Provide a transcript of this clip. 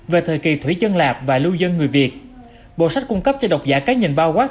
về thời kỳ thủy dân lạc và lưu dân người việt bộ sách cung cấp cho độc giả cái nhìn bao quát